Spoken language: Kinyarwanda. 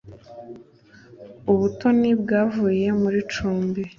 ”Ubutoni “Bwavuye muri Cumbi